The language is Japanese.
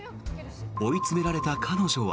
追い詰められた彼女は。